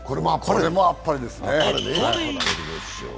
これも、あっぱれですね。